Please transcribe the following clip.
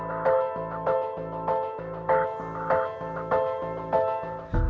pagi harinya saya mengunjungi sebuah makam keramat di lingkungan rumah saya